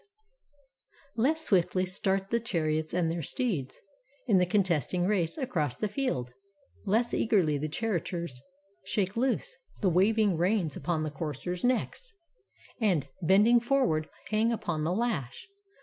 236 FUNERAL GAMES IN HONOR OF ANCHISES Less swiftly start the chariots and their steeds In the contesting race, across the field; Less eagerly the charioteers shake loose The waving reins upon the coursers' necks, And, bending forward, hang upon the lash.